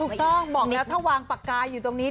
ถูกต้องบอกแล้วถ้าวางปากกาอยู่ตรงนี้